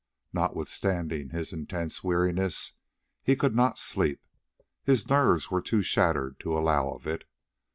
Notwithstanding his intense weariness, he could not sleep, his nerves were too shattered to allow of it.